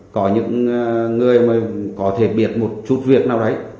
có những người mà có thể biết một chút việc nào đấy